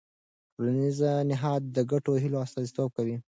ټولنیز نهاد د ګډو هيلو استازیتوب کوي.